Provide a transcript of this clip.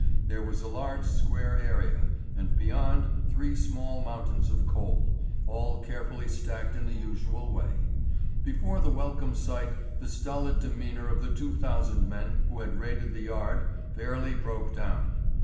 There was a large square area and beyond three small mountains of coal, all carefully stacked in the usual way. Before the welcome sight the stolid demeanour of the two thousand men who had raided the yard fairly broke down.